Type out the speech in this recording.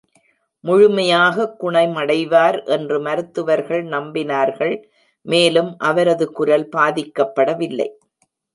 முழுமையாக குணமடைவார் என்று மருத்துவர்கள் நம்பினர்கள், மேலும் அவரது குரல் பாதிக்கப்படவில்லை.